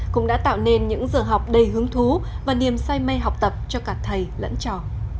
cũng đã tạo nên những giờ học đầy hứng thú và niềm say mê học tập cho cả thầy lẫn trò